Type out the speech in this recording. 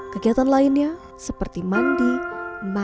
kegiatan lainnya seperti mandi makan hingga duduk harus dibantu oleh orang lain